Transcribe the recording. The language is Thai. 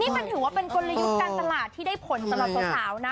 นี่ถือว่ากลยุคการตลาดที่ได้ผลต่อสาวนะ